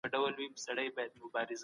تقليد د فکري پرمختګ مخه نيسي.